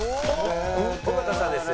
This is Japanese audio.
尾形さんです。